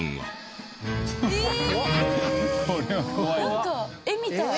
なんか絵みたい。